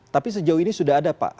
tapi sejauh ini sudah ada pak